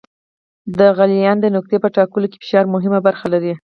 د غلیان د نقطې په ټاکلو کې فشار مهمه برخه لري.